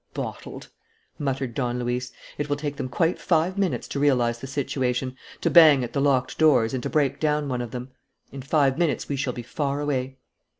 "Bottled!" muttered Don Luis. "It will take them quite five minutes to realize the situation, to bang at the locked doors, and to break down one of them. In five minutes we shall be far away."